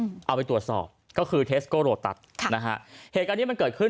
เอาไปตรวจสอบก็คือเทสโกโรตัสค่ะนะฮะเหตุการณ์เนี้ยมันเกิดขึ้น